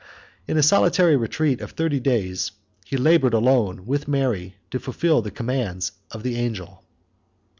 In a solitary retreat of thirty days, he labored, alone with Mary, to fulfil the commands of the angel.